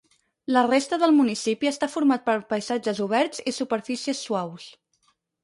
La resta del municipi està format per paisatges oberts i superfícies suaus.